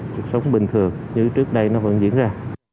cuộc sống bình thường như trước đây nó vẫn diễn ra